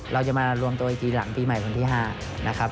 เราจะมารวมตัวอีกทีหลังปีใหม่คนที่๕นะครับ